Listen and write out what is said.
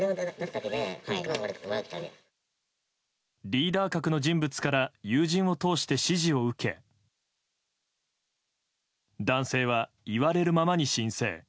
リーダー格の人物から友人を通して指示を受け男性は言われるままに申請。